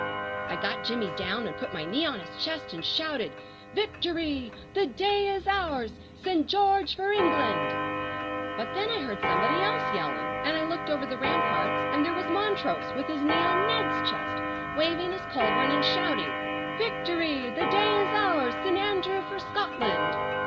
I got Jimmy down, and put my knee on his chest and shouted, "Victory! the day is ours! Saint George for England!" But then I heard somebody else yelling, and I looked over the ramparts, and there was Montrose with his knee on Ned's chest, waving his culverin and shouting, "Victory! the day is ours! Saint Andrew for Scotland!"